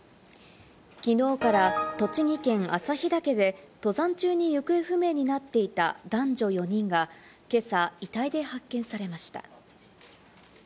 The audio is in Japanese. きのうから栃木県・朝日岳で登山中に行方不明になっていた男女４人が今朝、遺体で発見されました。